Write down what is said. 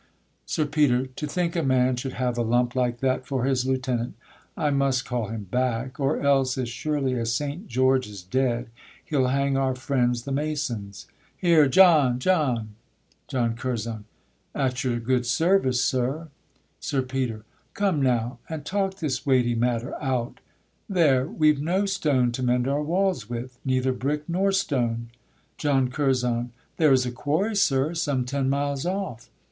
_ SIR PETER. To think a man should have a lump like that For his lieutenant! I must call him back, Or else, as surely as St. George is dead, He'll hang our friends the masons: here, John! John! JOHN CURZON. At your good service, sir. SIR PETER. Come now, and talk This weighty matter out; there, we've no stone To mend our walls with, neither brick nor stone. JOHN CURZON. There is a quarry, sir, some ten miles off.